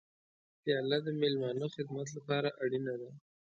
پیاله د میلمانه خدمت لپاره اړینه ده.